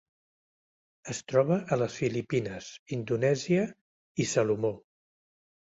Es troba a les Filipines, Indonèsia i Salomó.